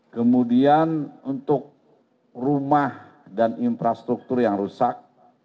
kemudian untuk rumah dan infrastruktur yang rusak